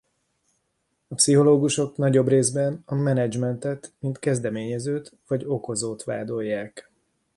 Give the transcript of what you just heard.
A pszichológusok nagyobb részben a menedzsmentet mint kezdeményezőt vagy okozót vádolják.